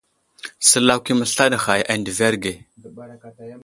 Səlakw i məslaɗ ghay a ndəverge.